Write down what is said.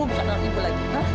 kamu bukan anak ibu lagi amira